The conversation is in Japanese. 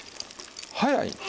はい。